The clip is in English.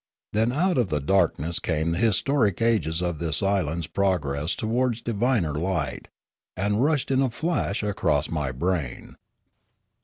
Then out of the darkness came the historic ages of this island's progress towards diviner light, and rushed in a flash across my brain.